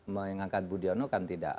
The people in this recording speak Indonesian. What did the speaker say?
mengangkat budiano kan tidak